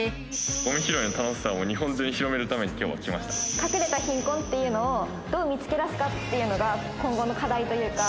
ごみ拾いの楽しさを日本中に隠れた貧困っていうのを、どう見つけ出すかっていうのが、今後の課題というか。